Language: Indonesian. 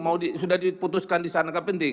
mau sudah diputuskan di sana enggak penting